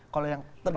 kalau yang pertama tadi